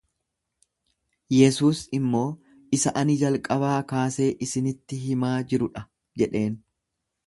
Yesuus immoo, Isa ani jalqabaa kaasee isinitti himaa jiru dha jedheen.